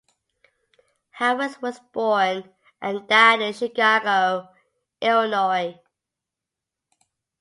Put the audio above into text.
Harris was born and died in Chicago, Illinois.